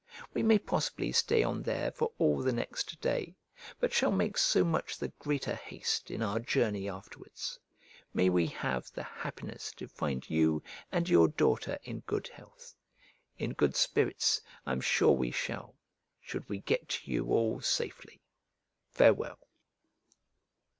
We may possibly stay on there for all the next day, but shall make so much the greater haste in our journey afterwards. May we have the happiness to find you and your daughter in good health! In good spirits I am sure we shall, should we get to you all safely. Farewell.